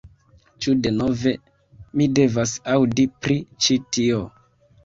Ĉu denove, mi devas aŭdi pri ĉi tio